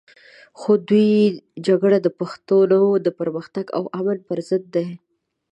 خو د دوی جګړه د پښتنو د پرمختګ او امن پر ضد ده.